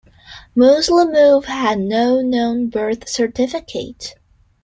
Muslimov had no known birth certificate.